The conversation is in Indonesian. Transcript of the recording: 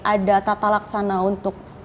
ada tata laksana untuk